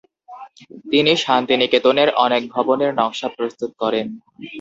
তিনি শান্তিনিকেতনের অনেক ভবনের নকশা প্রস্তুত করেন।